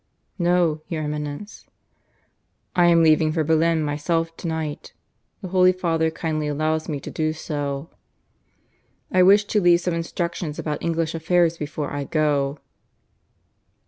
"No, your Eminence." "I am leaving for Berlin myself to night. The Holy Father kindly allows me to do so. I wish to leave some instructions about English affairs before I go."